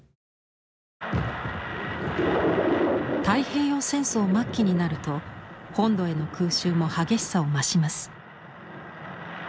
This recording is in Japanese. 太平洋戦争末期になると本土への空襲も激しさを増します。